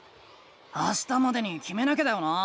あしたまでにきめなきゃだよな？